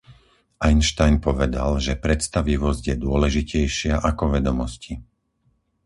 Einstein povedal, že predstavivosť je dôležitejšia ako vedomosti.